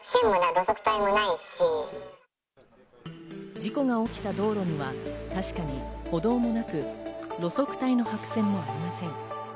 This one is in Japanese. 事故が起きた道路には確かに歩道もなく路側帯の白線もありません。